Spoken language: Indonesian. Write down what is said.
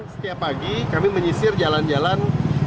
setiap pagi kami menyisir jalan jalan